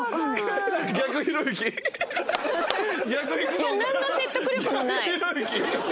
いやなんの説得力もない。